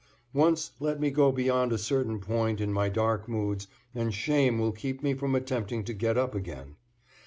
Once let me go beyond a certain point in my dark moods and shame will keep me from attempting to get up again.